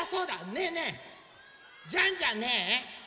ねえねえジャンジャンね